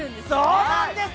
そうなんです！